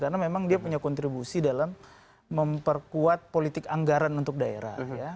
karena memang dia punya kontribusi dalam memperkuat politik anggaran untuk daerah